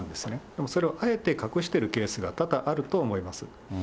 でもそれをあえて隠してるケースが多々あると思います。